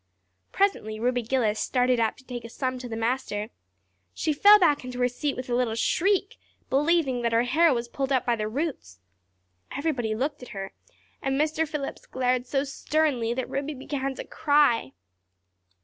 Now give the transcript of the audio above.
Presently Ruby Gillis started up to take a sum to the master; she fell back into her seat with a little shriek, believing that her hair was pulled out by the roots. Everybody looked at her and Mr. Phillips glared so sternly that Ruby began to cry.